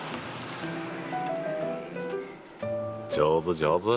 上手上手。